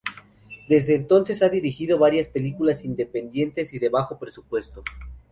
Desde entonces ha dirigido varias películas independientes y de bajo presupuesto.